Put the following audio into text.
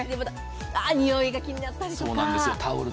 また臭いが気になったりとか。